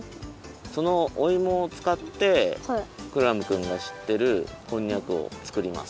そのおいもをつかってクラムくんがしってるこんにゃくをつくります。